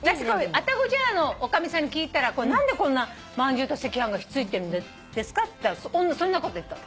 愛宕茶屋のおかみさんに聞いたら「何でこんなまんじゅうと赤飯がひっついてるんですか？」って言ったらそんなこと言ってたの。